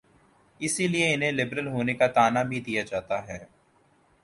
اسی لیے انہیں لبرل ہونے کا طعنہ بھی دیا جاتا ہے۔